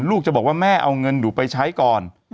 จะบอกว่าแม่เอาเงินหนูไปใช้ก่อน